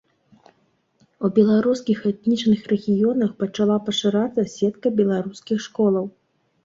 У беларускіх этнічных рэгіёнах пачала пашырацца сетка беларускіх школаў.